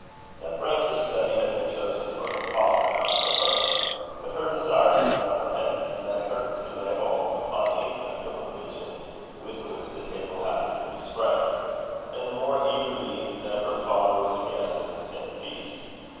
That branch of study had been chosen for her father, not for her; but her desire to learn had led her to lay hold upon any mental provision with which the table happened to be spread; and the more eagerly that her father was a guest at the same feast.